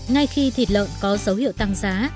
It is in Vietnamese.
ngay khi thịt lợn có dấu hiệu tăng giá